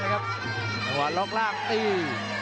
เอาล่ะล็อคร่างหนี